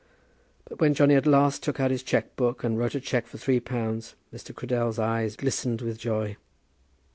But when Johnny at last took out his cheque book and wrote a cheque for three pounds, Mr. Cradell's eyes glistened with joy.